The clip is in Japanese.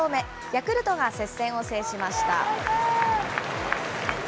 ヤクルトが接戦を制しました。